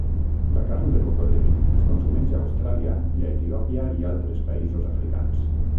La carn de cocodril es consumeix a Austràlia i a Etiòpia i altres països africans.